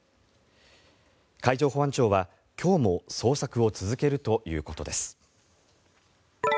海上保安庁は今日も捜索を続けるということです。